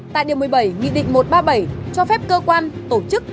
tại điều một mươi bảy nghị định một trăm ba mươi bảy cho phép cơ quan tổ chức